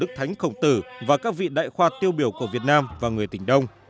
thánh khổng tử và các vị đại khoa tiêu biểu của việt nam và người tỉnh đông